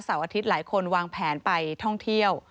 อาทิตย์หลายคนวางแผนไปท่องเที่ยว